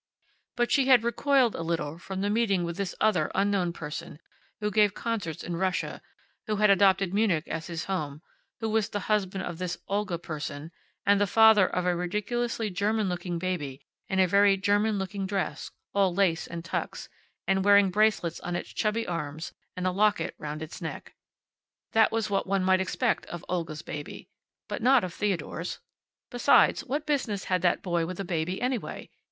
But she had recoiled a little from the meeting with this other unknown person who gave concerts in Russia, who had adopted Munich as his home, who was the husband of this Olga person, and the father of a ridiculously German looking baby in a very German looking dress, all lace and tucks, and wearing bracelets on its chubby arms, and a locket round its neck. That was what one might expect of Olga's baby. But not of Theodore's. Besides, what business had that boy with a baby, anyway?